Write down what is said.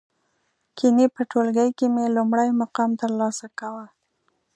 گني په ټولگي کې مې لومړی مقام ترلاسه کاوه.